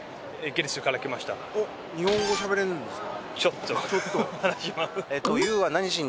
おっ日本語しゃべられるんですか？